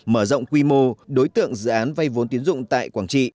mở rộng quy mô đối tượng dự án vay vốn tiến dụng tại quảng trị